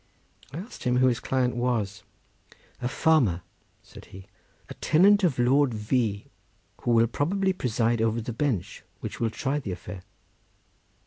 I asked him who his client was. "A farmer," said he, "a tenant of Lord V—, who will probably preside over the bench which will try the affair."